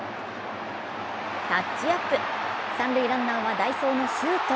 タッチアップ、三塁ランナーは代走の周東。